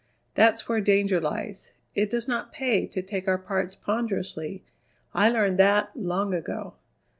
That's where danger lies. It does not pay to take our parts ponderously. I learned that long ago."